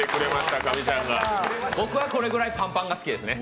僕はこれくらいパンパンがいいですね。